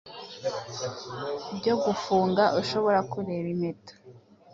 Ibyo gufunga ushobora kureba impeta